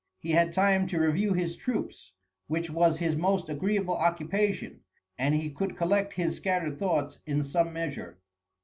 He had time to review his troops, which was his most agreeable occupation, and he could collect his scattered thoughts in some measure.